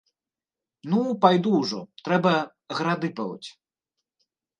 Ну, пайду ўжо, трэба грады палоць.